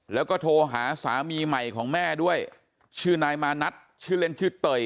แล้วก็โทรหาสามีใหม่ของแม่ด้วยชื่อนายมานัดชื่อเล่นชื่อเตย